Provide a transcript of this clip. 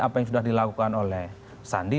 apa yang sudah dilakukan oleh sandi